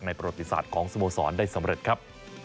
ประวัติศาสตร์ของสโมสรได้สำเร็จครับ